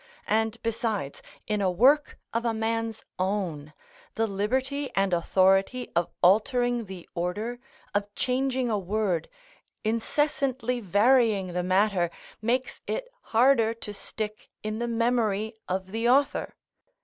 And besides, in a work of a man's own, the liberty and authority of altering the order, of changing a word, incessantly varying the matter, makes it harder to stick in the memory of the author.